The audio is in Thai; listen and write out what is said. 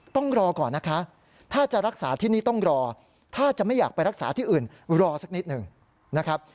ต้องรอก่อนนะคะถ้าจะรักษาที่นี่ต้องรอถ้าจะไม่อยากไปรักษาที่อื่นรอสักนิดหนึ่งนะครับ